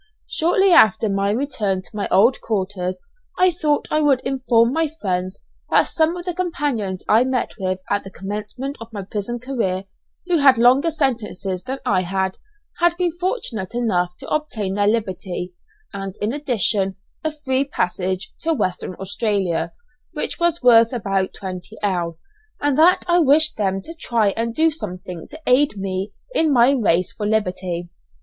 Shortly after my return to my old quarters, I thought I would inform my friends that some of the companions I met with at the commencement of my prison career, who had longer sentences than I had, had been fortunate enough to obtain their liberty, and, in addition, a free passage to Western Australia which was worth about 20_l._ and that I wished them to try and do something to aid me in my race for liberty.